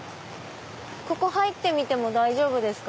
ここ入ってみても大丈夫ですか？